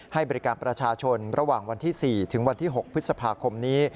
ให้บริการประชาชนระหว่างวันที่๔ถึงวันที่๖พฤษภาคมนี้